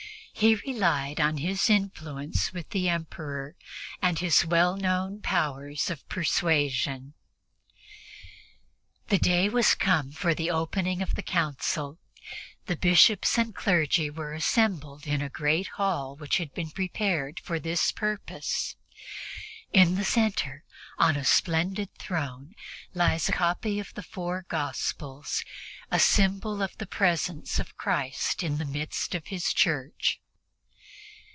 He relied on his influence with the Emperor and his well known powers of persuasion. The day has come for the opening of the Council. The Bishops and clergy are assembled in a great hall which has been prepared for this purpose. In the center, upon a splendid throne, lies a copy of the Four Gospels, symbol of the presence of Christ in the midst of His Church.